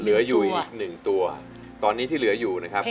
เหลืออยู่อีกหนึ่งตัวตอนนี้ที่เหลืออยู่นะครับ